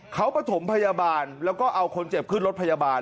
เขาประถมพยาบาลแล้วก็เอาคนเจ็บขึ้นรถพยาบาล